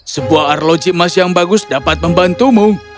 sebuah arloji emas yang bagus dapat membantumu